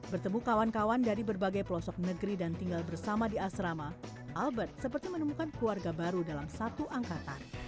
bertemu kawan kawan dari berbagai pelosok negeri dan tinggal bersama di asrama albert seperti menemukan keluarga baru dalam satu angkatan